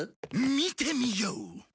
見てみよう。